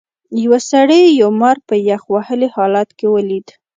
یو سړي یو مار په یخ وهلي حالت کې ولید.